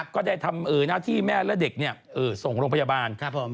ก็ได้ทำหน้าที่แม่และเด็กส่งโรงพยาบาล